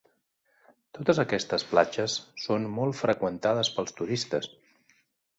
Totes aquestes platges són molt freqüentades pels turistes.